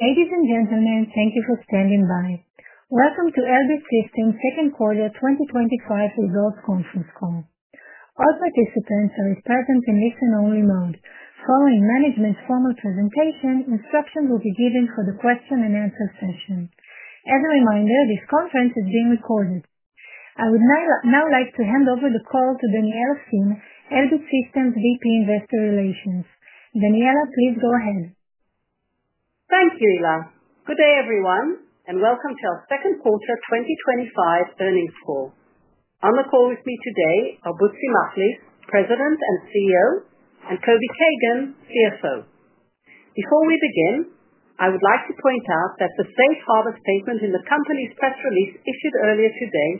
Ladies and gentlemen, thank you for standing by. Welcome to Elbit Systems' second quarter 2025 results conference call. All participants are present in listen-only mode. Following management's formal presentation, instructions will be given for the question and answer session. As a reminder, this conference is being recorded. I would now like to hand over the call to Daniella Finn, Elbit Systems' VP of Investor Relations. Daniella, please go ahead. Thank you, Ylla. Good day, everyone, and welcome to our second quarter 2025 earnings call. On the call with me today, Elbit Systems' Butzi Machlis, President and CEO, and Kobi Kagan, CFO. Before we begin, I would like to point out that the safe harbor statement in the company's press release issued earlier today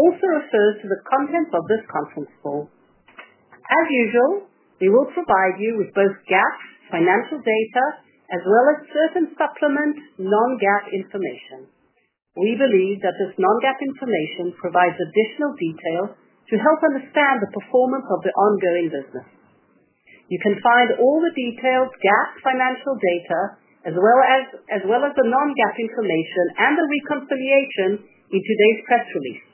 also refers to the content of this conference call. As usual, we will provide you with both GAAP financial data as well as certain supplemental non-GAAP information. We believe that this non-GAAP information provides additional detail to help understand the performance of the ongoing business. You can find all the detailed GAAP financial data as well as the non-GAAP information and the reconciliation in today's press release.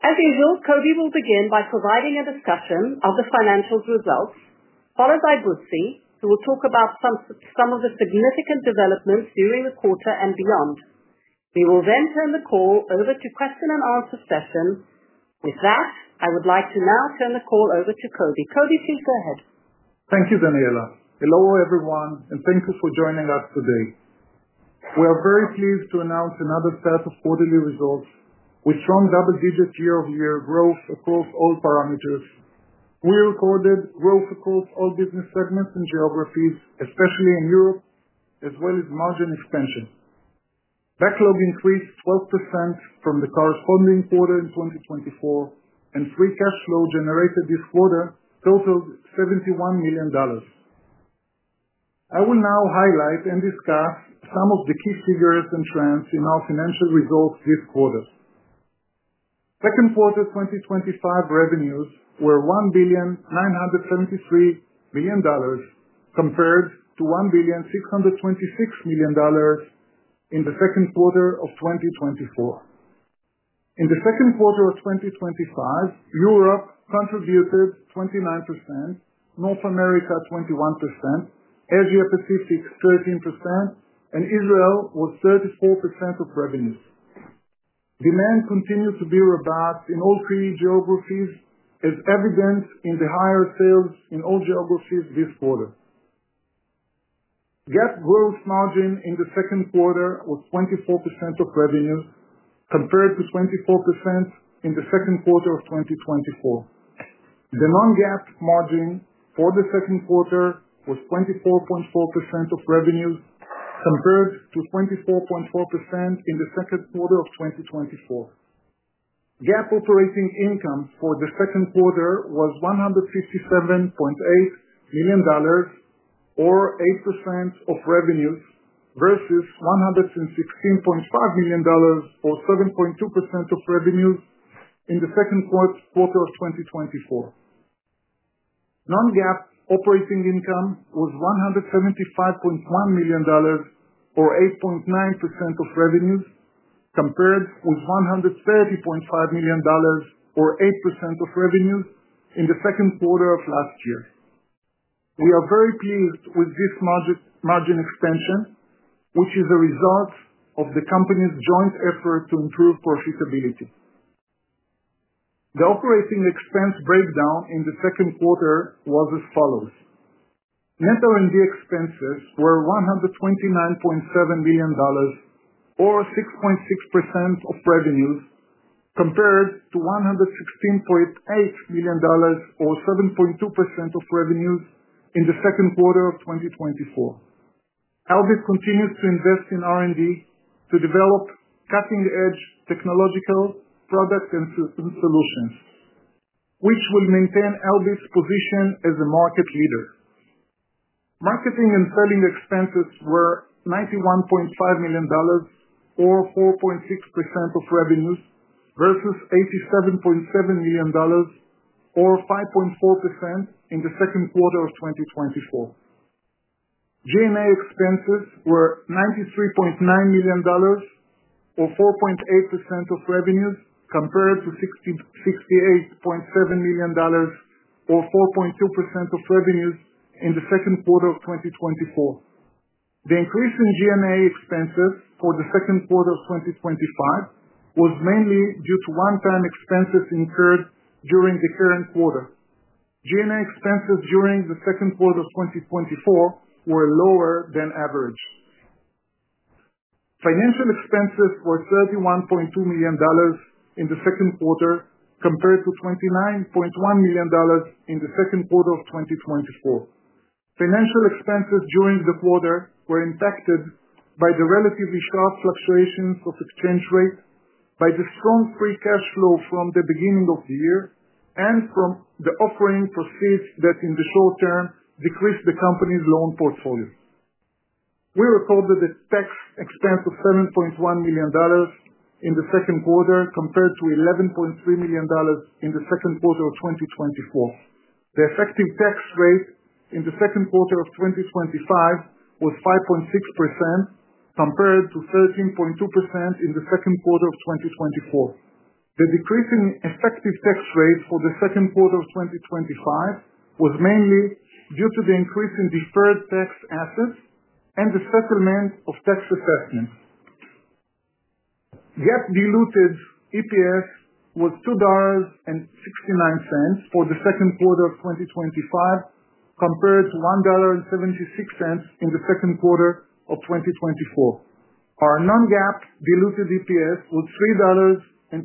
As usual, Kobi will begin by providing a discussion of the financial results, followed by Butzi, who will talk about some of the significant developments during the quarter and beyond. We will then turn the call over to the question and answer session. With that, I would like to now turn the call over to Kobi. Kobi, please go ahead. Thank you, Daniella. Hello, everyone, and thank you for joining us today. We are very pleased to announce another set of quarterly results with strong double-digit year-over-year growth across all parameters. We recorded growth across all business segments and geographies, especially in Europe, as well as margin expenses. Backlog increased 12% from the current quarter in 2024, and free cash flow generated this quarter totaled $71 million. I will now highlight and discuss some of the key figures and trends in our financial results this quarter. Second quarter 2025 revenues were $1.973 billion compared to $1.626 billion in the second quarter of 2024. In the second quarter of 2025, Europe contributed 29%, North America 21%, Asia-Pacific 13%, and Israel was 34% of revenues. Demand continued to be robust in all three geographies, as evidenced in the higher sales in all geographies this quarter. GAAP gross margin in the second quarter was 24% of revenue, compared to 24% in the second quarter of 2024. The non-GAAP margin for the second quarter was 24.4% of revenues, compared to 24.4% in the second quarter of 2024. GAAP operating income for the second quarter was $157.8 million, or 8% of revenues, versus $116.5 million, or 7.2% of revenues in the second quarter of 2024. Non-GAAP operating income was $175.1 million, or 8.9% of revenues, compared with $130.5 million, or 8% of revenues in the second quarter of last year. We are very pleased with this margin expense, which is a result of the company's joint effort to improve profitability. The operating expense breakdown in the second quarter was as follows: Net R&D expenses were $129.7 million, or 6.6% of revenues, compared to $116.8 million, or 7.2% of revenues in the second quarter of 2024. Elbit continues to invest in R&D to develop cutting-edge technological products and systems solutions, which will maintain Elbit's position as a market leader. Marketing and selling expenses were $91.5 million, or 4.6% of revenues, versus $87.7 million, or 5.4% in the second quarter of 2024. G&A expenses were $93.9 million, or 4.8% of revenues, compared to $68.7 million, or 4.2% of revenues in the second quarter of 2024. The increase in G&A expenses for the second quarter of 2025 was mainly due to one-time expenses incurred during the current quarter. G&A expenses during the second quarter of 2024 were lower than average. Financial expenses were $31.2 million in the second quarter, compared to $29.1 million in the second quarter of 2024. Financial expenses during the quarter were impacted by the relatively soft fluctuations of exchange rates, by the strong free cash flow from the beginning of the year, and from the offering for fees that, in the short term, decreased the company's loan portfolio. We recorded a tax expense of $7.1 million in the second quarter, compared to $11.3 million in the second quarter of 2024. The effective tax rate in the second quarter of 2025 was 5.6%, compared to 13.2% in the second quarter of 2024. The decrease in effective tax rates for the second quarter of 2025 was mainly due to the increase in deferred tax assets and the settlement of tax assessments. GAAP diluted EPS was $2.69 for the second quarter of 2025, compared to $1.76 in the second quarter of 2024. Our non-GAAP diluted EPS was $3.23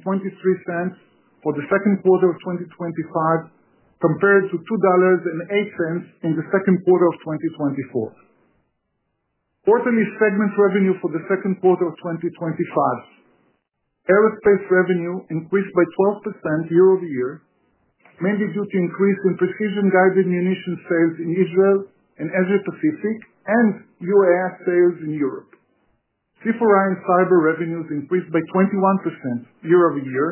for the second quarter of 2025, compared to $2.08 in the second quarter of 2024. Quarterly segment revenue for the second quarter of 2025: Aerospace revenue increased by 12% year-over-year, mainly due to increase in precision-guided munitions sales in Israel and Asia-Pacific, and UAS sales in Europe. Chief Orion fiber revenues increased by 21% year-over-year,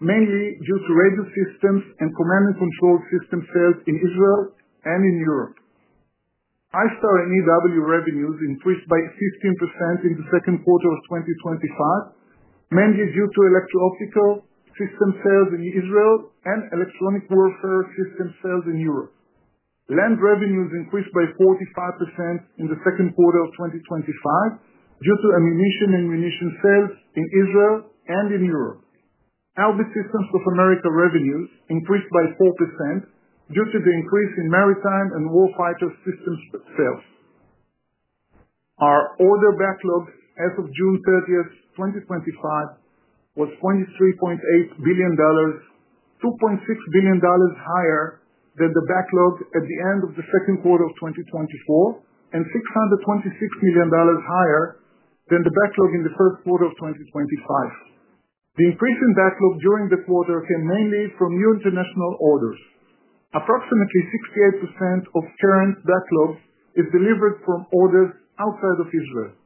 mainly due to radio systems and command and control system sales in Israel and in Europe. ISTAR and EW revenues increased by 16% in the second quarter of 2025, mainly due to electro-optical system sales in Israel and electronic warfare system sales in Europe. Land revenues increased by 45% in the second quarter of 2025 due to ammunition and munitions sales in Israel and in Europe. Elbit Systems of America revenues increased by 4% due to the increase in maritime and war fighter systems sales. Our order backlog as of June 30, 2025, was $23.8 billion, $2.6 billion higher than the backlog at the end of the second quarter of 2024, and $626 million higher than the backlog in the first quarter of 2025. The increase in backlog during the quarter came mainly from new international orders. Approximately 68% of current backlog is delivered from orders outside of Israel.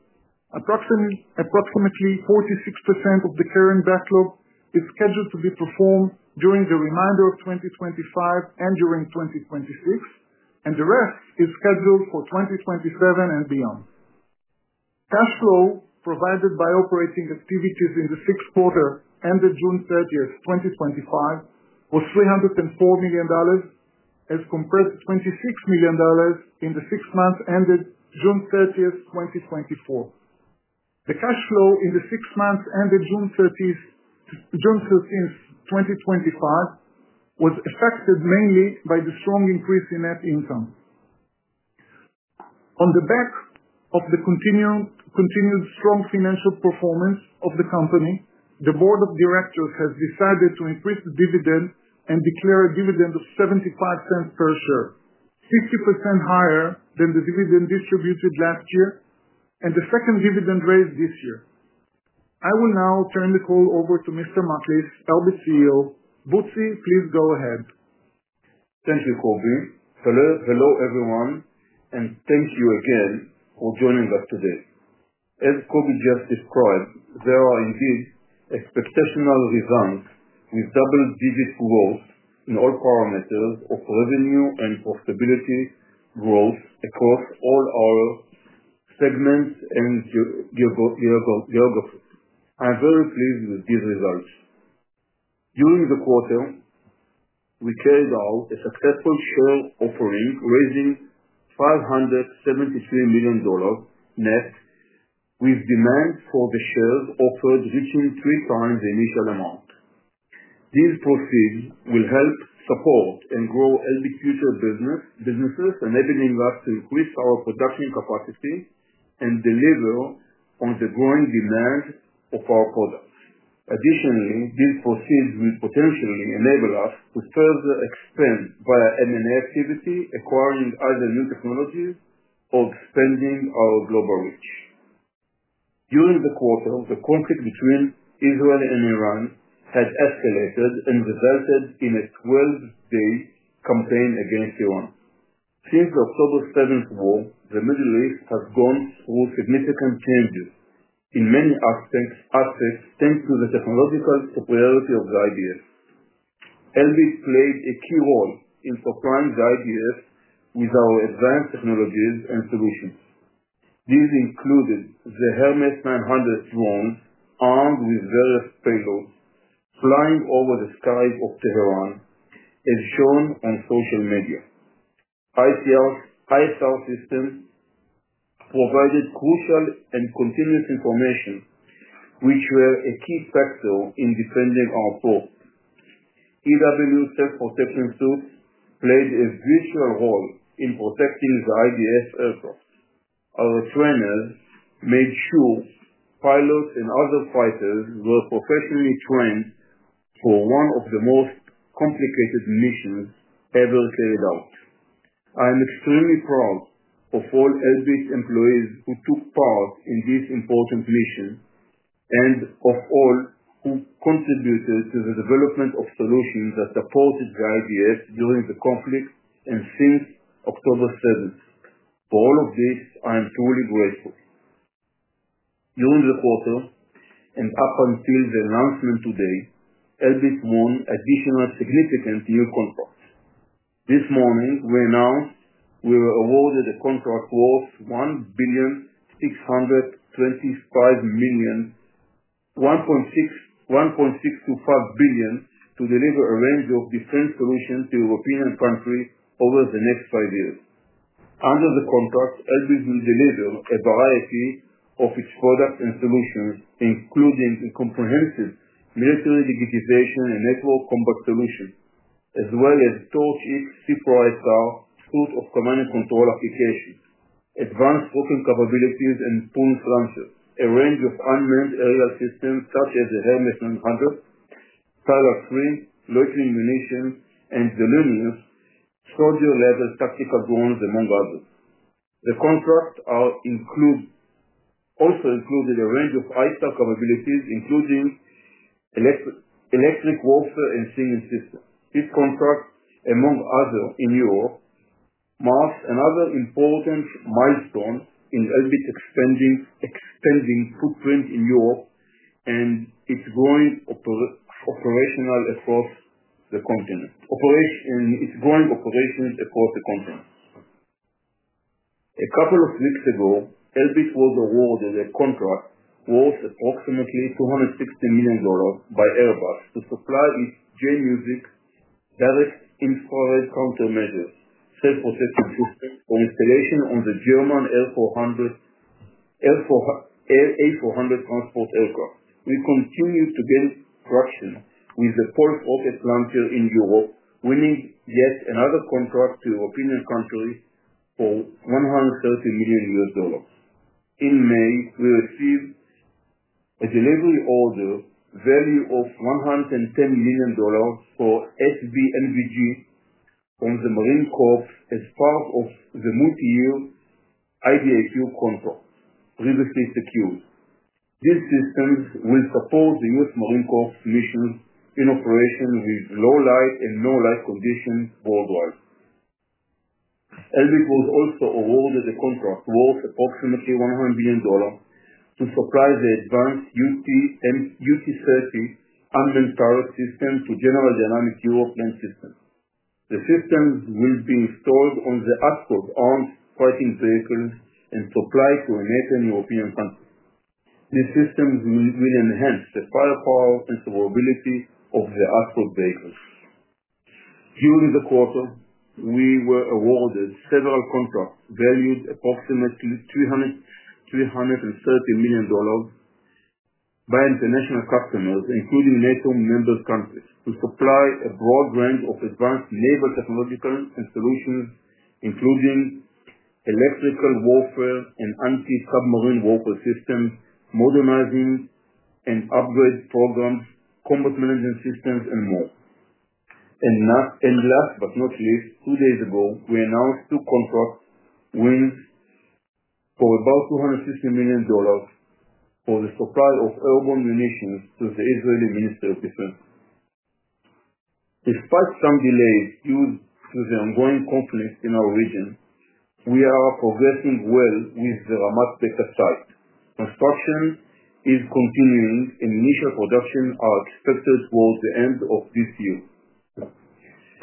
Approximately 46% of the current backlog is scheduled to be performed during the remainder of 2025 and during 2026, and the rest is scheduled for 2027 and beyond. Cash flow provided by operating activities in the second quarter ended June 30, 2025, was $304 million, as compared to $26 million in the six months ended June 30, 2024. The cash flow in the six months ended June 30, 2025, was affected mainly by the strong increase in net income. On the back of the continued strong financial performance of the company, the Board of Directors has decided to increase the dividend and declare a dividend of $0.75 per share, 60% higher than the dividend distributed last year and the second dividend raised this year. I will now turn the call over to Mr. Machlis, Elbit Systems CEO. Butzi, please go ahead. Thank you, Kobi. Hello, everyone, and thank you again for joining us today. As Kobi just described, there are indeed exceptional results with double-digit growth in all parameters of revenue and profitability growth across all our segments and geographies. I'm very pleased with these results. During the quarter, we carried out a successful share offering, raising $573 million net, with demand for the shares offered reaching 3x the initial amount. These proceeds will help support and grow Elbit future businesses and enable us to increase our production capacity and deliver on the growing demand of our products. Additionally, these proceeds will potentially enable us to further expand via M&A activity, acquiring either new technologies or expanding our global reach. During the quarter, the conflict between Israel and Iran had escalated and resulted in a 12-day campaign against Iran. Since the October 7th war, the Middle East has gone through significant changes. In many aspects, IDF stands to the technological superiority of Elbit. Elbit played a key role in supplying Israel Defense Forces with our advanced technologies and solutions. These included the Hermes 900 drones armed with various payloads flying over the skies of Tehran, and shown on social media. Elbit Systems provided crucial and continuous information, which was a key factor in defending our port. Electronic warfare self-protection suites played a vital role in protecting IDF aircraft. Our trainers made sure pilots and other fighters were professionally trained for one of the most complicated missions ever carried out. I'm extremely proud of all Elbit employees who took part in this important mission and of all who contributed to the development of solutions that supported IDF during the conflict and since October 7th. For all of this, I am truly grateful. During the quarter and up until the announcement today, Elbit won additional significant deal contracts. This morning, we announced we were awarded a contract worth $1.625 billion to deliver a range of defense solutions to European countries over the next five years. Under the contract, Elbit will deliver a variety of its products and solutions, including a comprehensive military digitization and network combat solution, as well as tall-ship, super ICR suite of command and control applications, advanced hopping capabilities, and Poon's Lancer, a range of unmanned aerial systems such as the Hermes 900, Type III Loitering munition, and the Luminous Charger-level tactical drones, among others. The contract also included a range of SIGINT capabilities, including electronic warfare and shield systems. This contract, among others in Europe, marks another important milestone in Elbit's expanding footprint in Europe and its growing operational efforts across the continent. A couple of weeks ago, Elbit was awarded a contract worth approximately $260 million by Airbus to supply its J-music DIRCM self-protection systems for installation on the German A400M transport aircraft. We continue to gain traction with the Pulse Orbit Lancer in Europe, winning yet another contract to European countries for $130 million. In May, we received a delivery order valued at $110 million for SBMVG from the U.S. Marine Corps as part of the multi-year IDIQ contract previously secured. These systems will support the U.S. Marine Corps missions in operation with low light and no light conditions worldwide. Elbit was also awarded a contract worth approximately $100 million to supply the advanced UT30 Unmanned Turret system to General Dynamics European Land Systems. The systems will be installed on the ATHOS armed fighting vehicles and supplied for NATO and European countries. These systems will enhance the firepower and survivability of the ATHOS vehicles. During the quarter, we were awarded several contracts valued at approximately $330 million by international customers, including NATO member countries, to supply a broad range of advanced naval technologies and solutions, including electronic warfare and anti-submarine warfare systems, modernizing and upgrading floor guns, combat management systems, and more. Last but not least, two days ago, we announced two contract wins for about $250 million for the supply of airborne munitions to the Israeli Ministry of Defense. Despite some delays due to the ongoing conflicts in our region, we are progressing well with the Ramat Beka site. Construction is continuing, and initial production is expected towards the end of this year.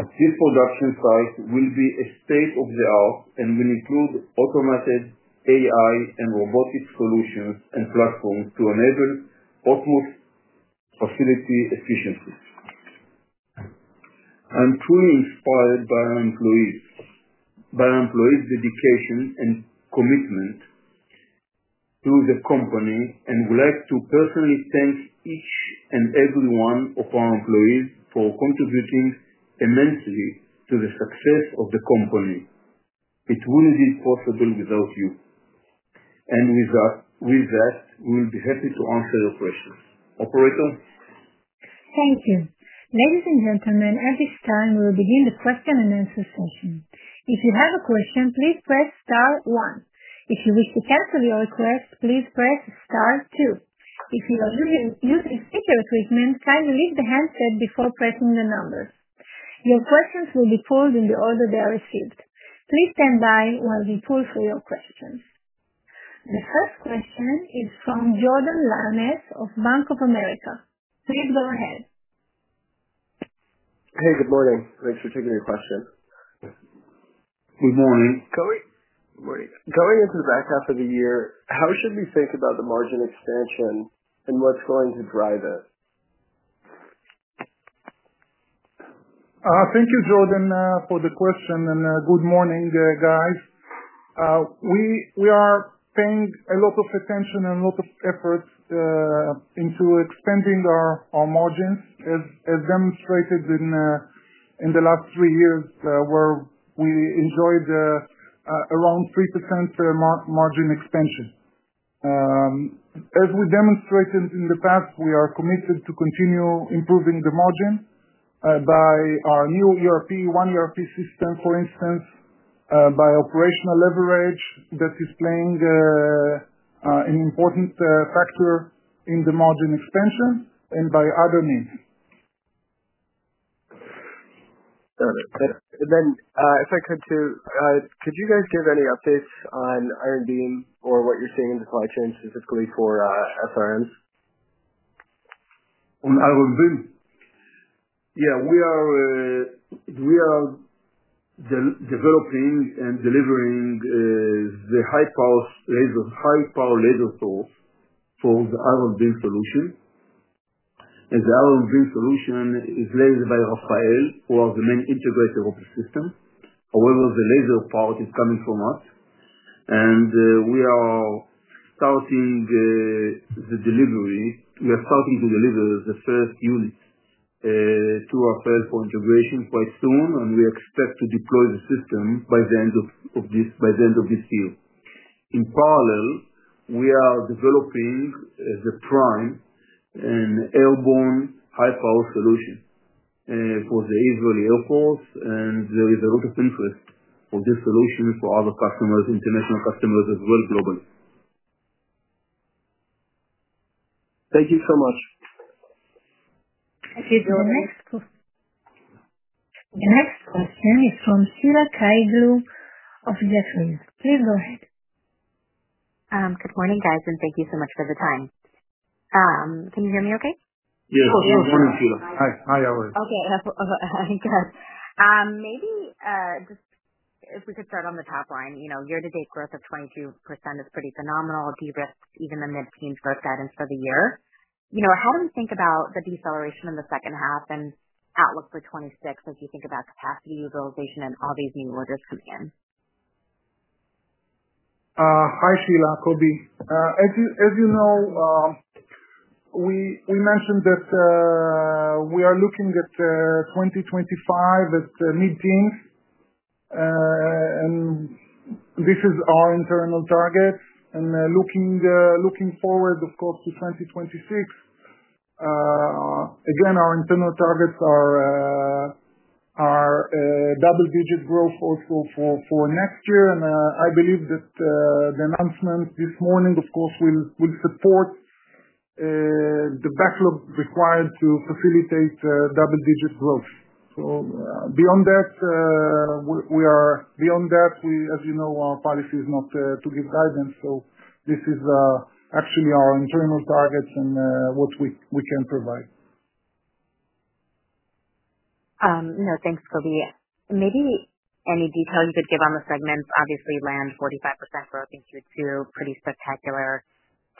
This production site will be state-of-the-art and will include automated AI and robotics solutions and platforms to enable automotive facility efficiency. I'm truly inspired by our employees, by our employees' dedication and commitment to the company, and would like to personally thank each and every one of our employees for contributing immensely to the success of the company. It wouldn't be possible without you. With that, we'll be happy to answer your questions. Operator? Thank you. Ladies and gentlemen, at this time, we will begin the question and answer session. If you have a question, please press star one. If you wish to cancel your request, please press star two. If you are using speaker equipment, kindly lift the handset before pressing the number. Your questions will be pulled in the order they are received. Please stand by while we pull for your questions. The first question is from Jordan Lyonnais of Bank of America. Please go ahead. Hey, good morning. Thanks for taking your question. Good morning. Going into the back half of the year, how should we think about the margin expansion and what's going to drive it? Thank you, Jordan, for the question, and good morning, guys. We are paying a lot of attention and a lot of efforts into expanding our margins, as demonstrated in the last three years, where we enjoyed around 3% margin expansion. As we demonstrated in the past, we are committed to continue improving the margin by our new ERP, one ERP system, for instance, by operational leverage that is playing an important factor in the margin expansion and by other needs. Got it. If I could, too, could you guys give any updates on Iron Beam or what you're seeing in the supply chain, specifically for FRMs? On Iron Beam? Yeah, we are developing and delivering the high-power laser tools for the Iron Beam solution. The Iron Beam solution is led by Rafael, who are the main integrator of the system. However, the laser part is coming from us. We are starting the delivery. We are starting to deliver the first unit through our plan for integration quite soon, and we expect to deploy the system by the end of this year. In parallel, we are developing the prime and airborne high-power solution for the Israel airforce, and there is a lot of interest for this solution for our customers, international customers as well globally. Thank you so much. Okay, Jordan, next question is from Sheila Kahyaoglu of Jefferies. Please go ahead. Good morning, guys, and thank you so much for the time. Can you hear me okay? Yes. Yes, good morning, Sheila. Hi, how are you? Okay. Let me go. Maybe just if we could start on the top line, you know year-to-date growth of 22% is pretty phenomenal. DRIP is even the mid-teen growth guidance for the year. You know, how do we think about the deceleration in the second half and how it looked for 2026 as you think about capacity utilization and all these new orders coming in? Hi, Sheila, Kobi. As you know, we mentioned that we are looking at 2025 as mid-teams, and this is our internal targets. Looking forward, of course, to 2026, again, our internal targets are double-digit growth also for next year. I believe that the announcement this morning, of course, will support the backlog required to facilitate double-digit growth. Beyond that, as you know, our policy is not to give guidance. This is actually our internal targets and what we can provide. No, thanks, Kobi. Maybe any detail you could give on the segments. Obviously, LAND, 45% growth, is pretty spectacular,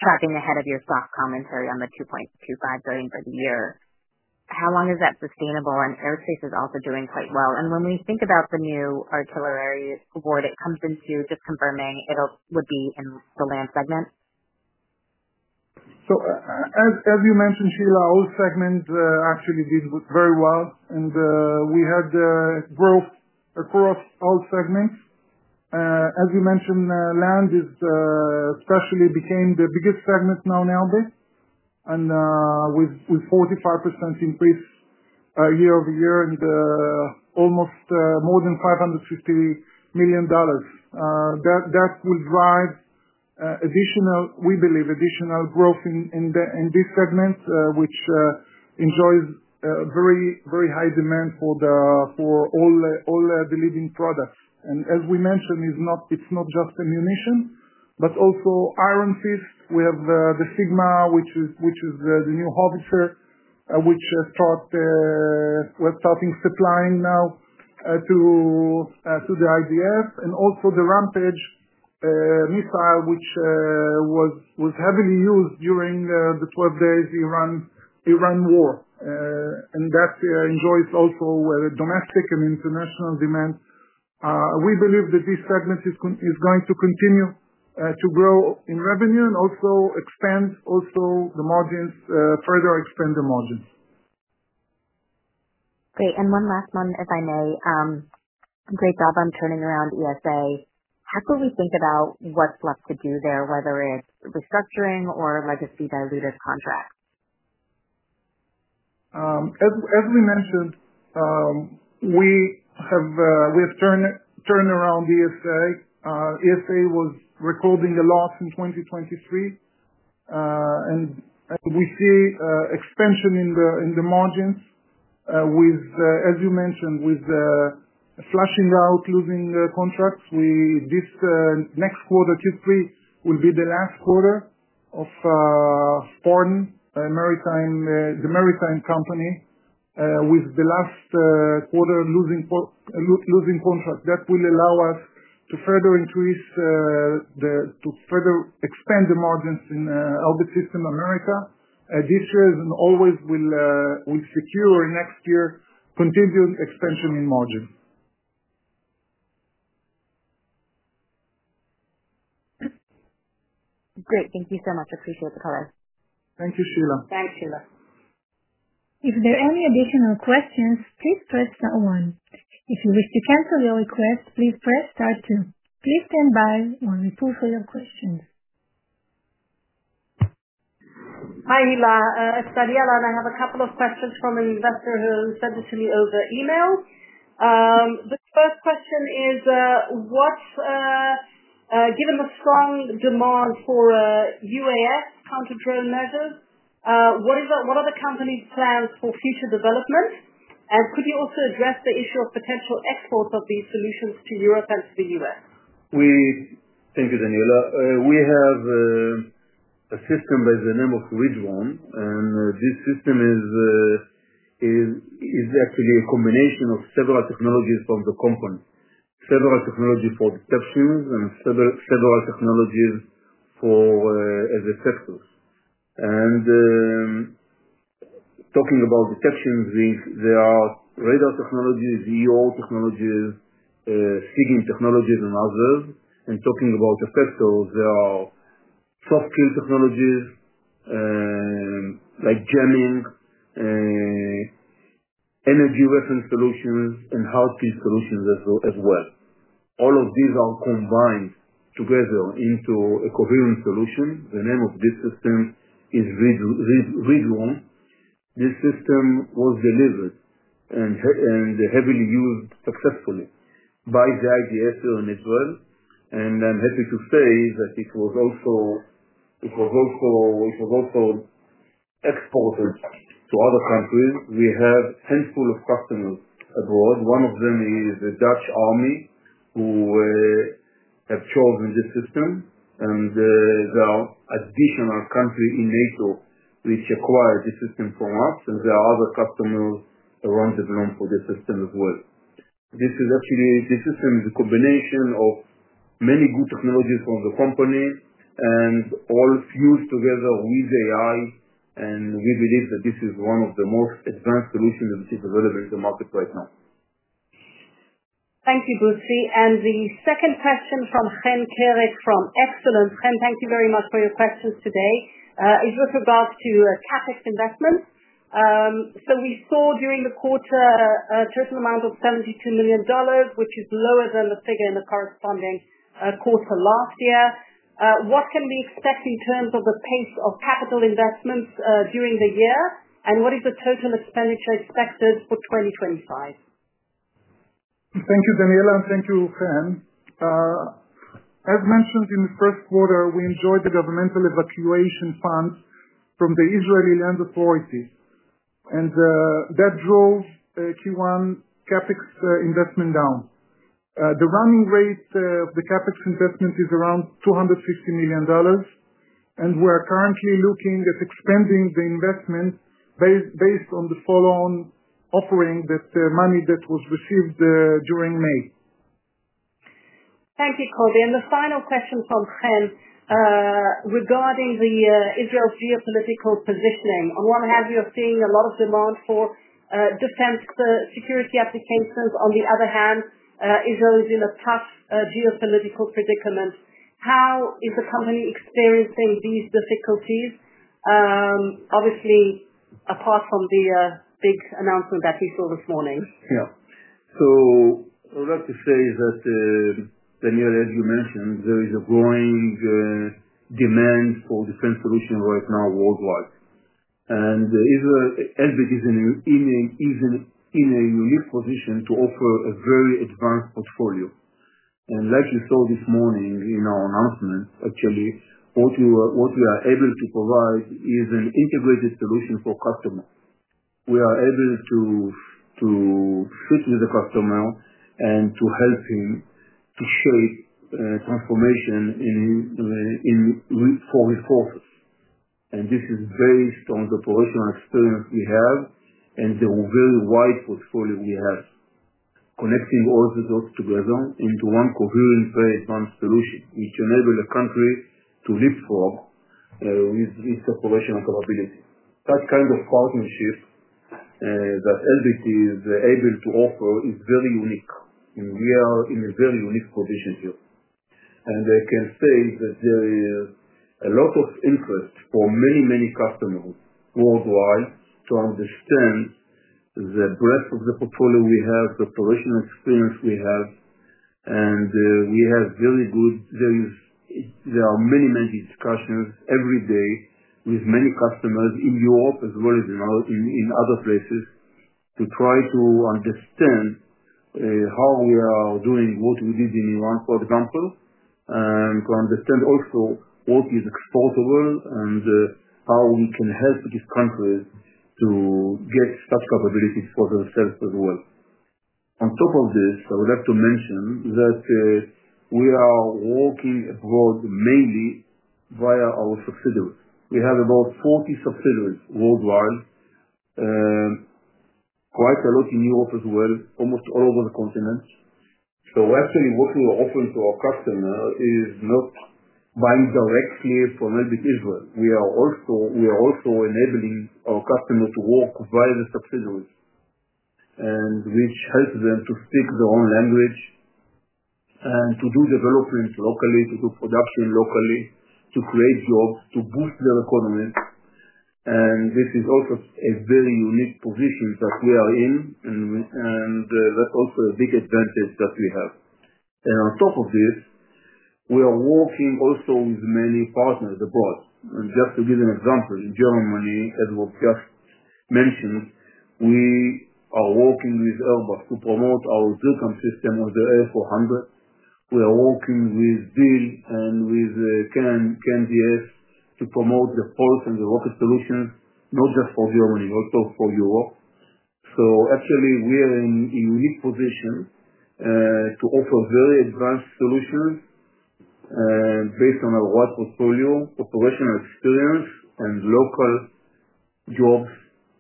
tracking ahead of your soft commentary on the $2.25 billion for the year. How long is that sustainable? Aerospace is also doing quite well. When we think about the new artillery award, it comes into just confirming it'll be in the Land segment? Sure. As you mentioned, Sheila, all segments actually did very well, and we had growth across all segments. As you mentioned, Land especially became the biggest segment now in Elbit, with 45% increase year-over-year, almost more than $550 million. That will drive, we believe, additional growth in this segment, which enjoys very, very high demand for all the leading products. As we mentioned, it's not just ammunition, but also Iron Fist. We have the SIGMA, which is the new Howitzer, which we're starting supplying now to the IDF. Also, the Rampage missile, which was heavily used during the 12-day Iran war, enjoys domestic and international demand. We believe that this segment is going to continue to grow in revenue and also further expand the margins. Great. One last one, as I know, great job on turning around ESA. How can we think about what's left to do there, whether it's restructuring or legacy loss-making contracts? As we mentioned, we have turned around ESA. ESA was recording a loss in 2023, and we see an expansion in the margins, with, as you mentioned, flashing out losing contracts. Next quarter, Q3, will be the last quarter of Spartan, the maritime company, with the last quarter losing contracts. That will allow us to further increase, to further expand the margins in Elbit Systems America. This year and always will secure our next year's continued expansion in margin. Great. Thank you so much. I appreciate the call. Thank you, Sheila. Thanks, Sheila. If there are any additional questions, please press one. If you wish to cancel your request, please press star two. Please stand by while we poll for your questions. Hi, Ylla. It's Daniella. I have a couple of questions from an investor who sent it to me over email. The first question is, given the strong demand for UAS counter-drone measures, what are the company's plans for future development? Could you also address the issue of potential exports of these solutions to Europe and to the U.S.? Thank you, Daniella. We have a system by the name of ReDrone. This system is actually a combination of several technologies from the company, several technologies for detection and several technologies for effects. Talking about detections, there are radar technologies, EO technologies, seeking technologies, and others. Talking about effects, there are soft kill technologies, like jamming, energy weapon solutions, and healthy solutions as well. All of these are combined together into a coherent solution. The name of this system is ReDrone. This system was delivered and heavily used successfully by the IDF in Israel. I'm happy to say that it was also exported to other countries. We have a handful of customers abroad. One of them is the Dutch Army, who have chosen this system. There are additional countries in NATO which acquired this system from us. There are other customers around the globe for this system as well. This system is a combination of many good technologies from the company and all fused together with AI. We believe that this is one of the most advanced solutions which is available in the market right now. Thank you, Butzi. The second question from Hen Carrick from Excellence. Hen, thank you very much for your questions today. It's with regards to your CapEx investments. We saw during the quarter a total amount of $72 million, which is lower than the figure in the corresponding quarter last year. What can we expect in terms of the pace of capital investments during the year, and what is the total expenditure expected for 2025? Thank you, Daniella, and thank you, Hen. As mentioned in the first quarter, we enjoyed the governmental evacuation fund from the Israeli land authorities. That drove Q1 CapEx investment down. The running rate of the CapEx investment is around $250 million, and we are currently looking at expanding the investment based on the follow-on offering, that money that was received during May. Thank you, Kobi. The final question from Hen, regarding Israel's geopolitical positioning. On one hand, we are seeing a lot of demand for defense security applications. On the other hand, Israel is in a tough geopolitical predicament. How is the company experiencing these difficulties? Obviously, apart from the big announcement that we saw this morning. Yeah. All I'd like to say is that, Daniella, as you mentioned, there is a growing demand for the current solution right now worldwide. Elbit is in a unique position to offer a very advanced portfolio. Like you saw this morning in our announcement, actually, what we are able to provide is an integrated solution for customers. We are able to sit with the customer and help him to shape a transformation in resources. This is based on the operational experience we have and the very wide portfolio we have, connecting all of those together into one coherent payment solution, which enables a country to live with its operational capabilities. That kind of partnership that Elbit is able to offer is very unique. We are in a very unique position here. I can say that there is a lot of interest from many, many customers worldwide to understand the breadth of the portfolio we have, the operational experience we have. We have very good, there are many, many discussions every day with many customers in Europe as well as in other places to try to understand how we are doing, what we did in Iran, for example, and to understand also what is exportable and how we can help these countries to get such capabilities for themselves as well. On top of this, I would like to mention that we are working abroad mainly via our subsidiaries. We have about 40 subsidiaries worldwide, quite a lot in Europe as well, almost all over the continent. What we are offering to our customers is not buying directly from Elbit Israel. We are also enabling our customers to work via the subsidiaries, which helps them to speak their own language and to do development locally, to do production locally, to create jobs, to boost their economy. This is also a very unique position that we are in, and that's also a big advantage that we have. We are working also with many partners abroad. Just to give an example, in Germany, as was just mentioned, we are working with Airbus to promote our J-MUSIC DIRCM system on the A400M. We are working with DIN and with KNDS to promote the pulse and the rocket solutions, not just for Germany, but also for Europe. We are in a unique position to offer very advanced solutions, based on our wide portfolio, operational experience, and local jobs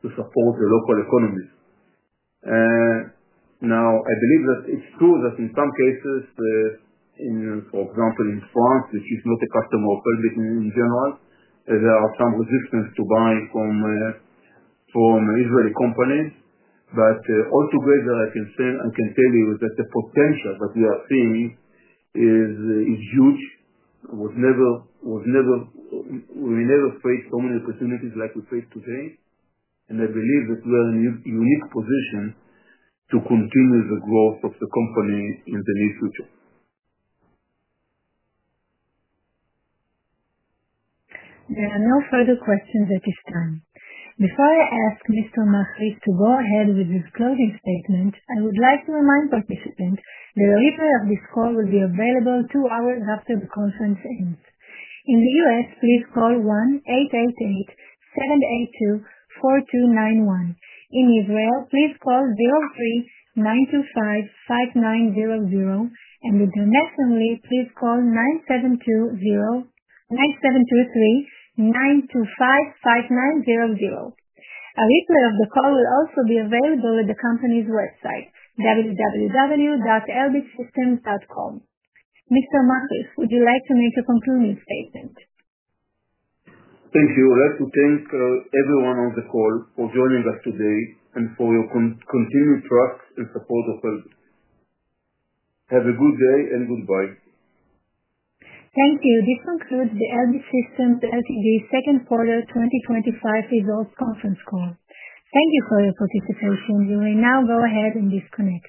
to support the local economies. I believe that it's true that in some cases, for example, in France, which is not a customer of Elbit in general, there is some resistance to buying from Israeli companies. Altogether, I can tell you that the potential that we are seeing is huge. We've never faced so many opportunities like we face today. I believe that we are in a unique position to continue the growth of the company in the near future. There are no further questions at this time. Before I ask Mr. Machlis to go ahead with his closing statement, I would like to remind participants that a replay of this call will be available two hours after the conference ends. In the U.S., please call 1-888-782-4291. In Israel, please call 03-925-5900. In the Netherlands, please call 9720-9723-925-5900. A replay of the call will also be available at the company's website, www.elbitsystems.com. Mr. Machlis, would you like to make a concluding statement? Thank you. I would like to thank everyone on the call for joining us today and for your continued trust and support of Elbit. Have a good day and goodbye. Thank you. This concludes the Elbit Systems second quarter 2025 results conference call. Thank you for your participation. You may now go ahead and disconnect.